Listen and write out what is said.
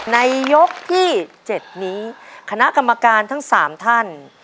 ในยกที่๗นี้คณะกรรมการทั้ง๓ท่าน